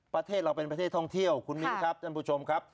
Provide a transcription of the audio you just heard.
ประเทศเราเป็นประเทศท่องเที่ยวคุณมิ้นครับท่านผู้ชมครับ